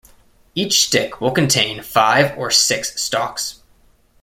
Each stick will contain five or six stalks.